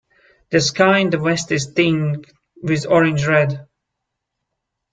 The sky in the west is tinged with orange red.